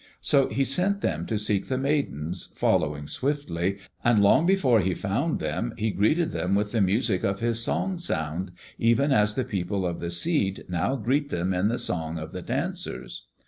So he sent them to seek the Maidens, following swiftly, and long before he found them he greeted them with the music of his songsound, even as the People of the Seed now greet them in the song of the dancers.